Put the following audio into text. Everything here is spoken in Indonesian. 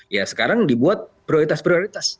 ya sekarang dibuat prioritas prioritas